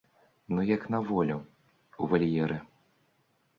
Ну як на волю, у вальеры.